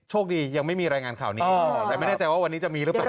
คดียังไม่มีรายงานข่าวนี้แต่ไม่แน่ใจว่าวันนี้จะมีหรือเปล่า